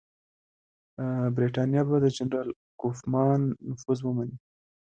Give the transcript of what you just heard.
برټانیه به د جنرال کوفمان نفوذ ونه مني.